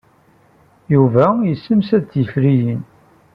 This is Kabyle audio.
Yuba yessemsad tiferyin.